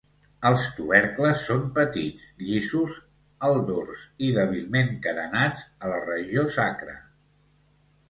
Els tubercles són petits, llisos al dors i dèbilment carenats a la regió sacra.